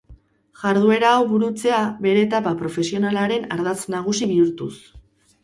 Jarduera hau burutzea bere etapa profesionalaren ardatz nagusi bihurtuz.